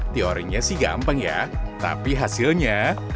teorinya sih gampang ya tapi hasilnya